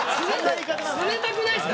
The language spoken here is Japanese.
冷たくないですか？